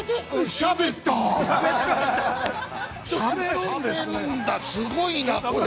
◆しゃべるんだすごいな、これ。